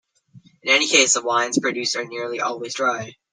In any case the wines produced are nearly always dry.